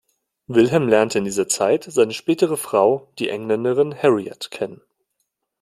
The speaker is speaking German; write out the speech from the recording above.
Wilhelm lernte in dieser Zeit seine spätere Frau, die Engländerin Harriet, kennen.